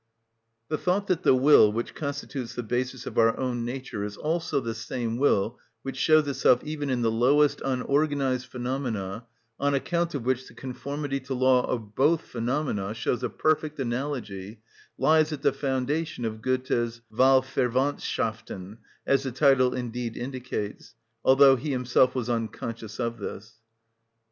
The thought that the will, which constitutes the basis of our own nature, is also the same will which shows itself even in the lowest unorganised phenomena, on account of which the conformity to law of both phenomena shows a perfect analogy, lies at the foundation of Goethe's "Wahlverwandtschaften," as the title indeed indicates, although he himself was unconscious of this.